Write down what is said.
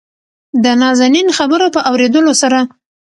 دنازنين خبرو په اورېدلو سره